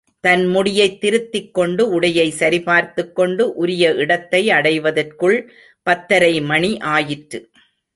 தன் முடியைத் திருத்திக் கொண்டு உடையை சரிபார்த்துக் கொண்டு, உரிய இடத்தை அடைவதற்குள் பத்தரை மணி ஆயிற்று.